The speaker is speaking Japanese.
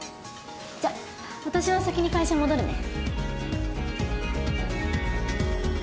じゃあ私は先に会社戻るね。